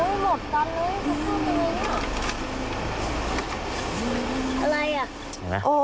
รถตอนนี้เขาเข้ากันไงเนี่ย